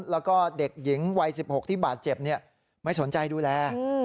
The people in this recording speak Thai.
แล้วก็เด็กหญิงวัย๑๖ที่บาดเจ็บไม่สนใจดูแล